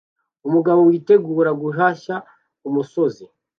Umugabo witegura guhashya umusozi